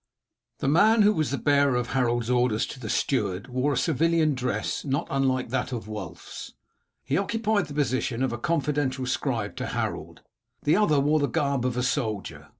The man who was the bearer of Harold's orders to the steward wore a civilian dress, not unlike that of Wulf's. He occupied the position of a confidential scribe to Harold. The other wore the garb of a soldier.